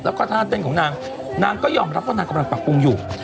แล้วก็ท่าเต้นของนางนางก็ยอมรับว่านางกำลังปรับปรุงอยู่